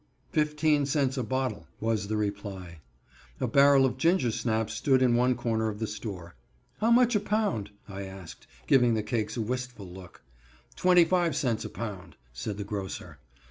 "Fifteen cents a bottle," was the reply. A barrel of ginger snaps stood in one corner of the store. "How much a pound?" I asked, giving the cakes a wistful look. "Twenty five cents a pound," said the grocer.